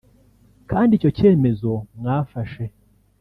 Kandi icyo cyemezo mwafashe